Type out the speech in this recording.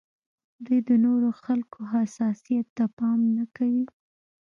دوی د نورو خلکو حساسیت ته پام نه کوي.